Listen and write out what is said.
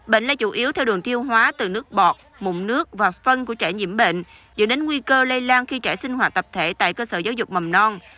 bệnh là chủ yếu theo đường thiêu hóa từ nước bọt mụn nước và phân của trẻ nhiễm bệnh dựa đến nguy cơ lây lan khi trẻ sinh hoạt tập thể tại cơ sở giáo dục mầm non